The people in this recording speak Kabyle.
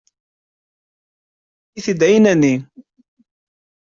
Ini-yi-t-id ɛinani.